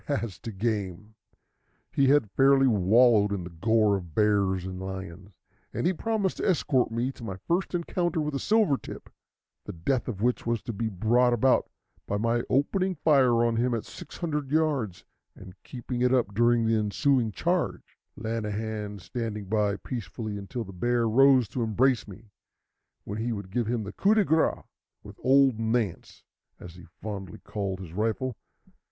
As to game, he had fairly wallowed in the gore of bears and lions, and he promised to escort me to my first encounter with a silver tip, the death of which was to be brought about by my opening fire on him at 600 yards and keeping it up during the ensuing charge, Lanahan standing by peacefully until the bear rose to embrace me, when he would give him the coup de grâce with "Old Nance," as he fondly called his rifle.